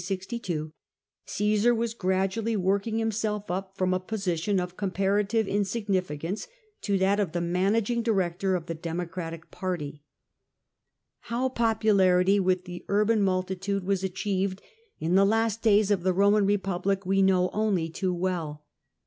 62, Oassar was gradually work ing himself up from a position of comparative insignifi cance to that of the managing director of the Democratic party, liow popularity with the urban multitude was C^SAR 298 acMeved in the last days of the Roman Republic we know only too well.